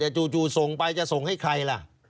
แต่จู่ส่งไปจะส่งให้ใครล่ะ